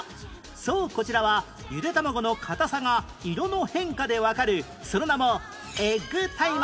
そうこちらはゆで卵の硬さが色の変化でわかるその名も